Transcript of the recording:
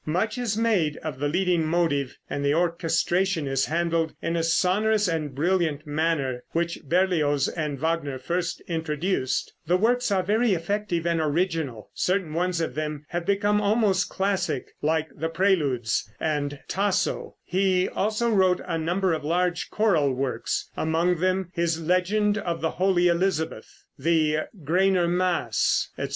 Much is made of the leading motive, and the orchestration is handled in a sonorous and brilliant manner, which Berlioz and Wagner first introduced. The works are very effective and original. Certain ones of them have become almost classic, like "The Preludes" and "Tasso." He also wrote a number of large choral works, among them his "Legend of the Holy Elizabeth," the "Graner Mass," etc.